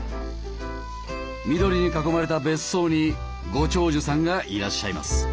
緑に囲まれた別荘にご長寿さんがいらっしゃいます。